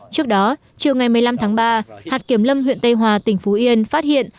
trước đó chiều ngày một mươi năm tháng ba hạt kiểm lâm huyện tây hòa tỉnh phú yên phát hiện